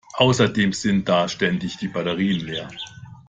Außerdem sind da ständig die Batterien leer.